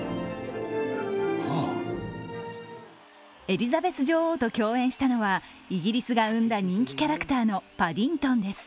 エリザベス女王と共演したのはイギリスが生んだ人気キャラクターのパディントンです。